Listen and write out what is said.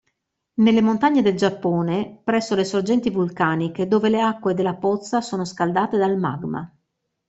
Nelle montagne del Giappone presso le sorgenti vulcaniche dove le acque della pozza sono scaldate dal magma.